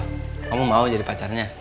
kamu mau jadi pacarnya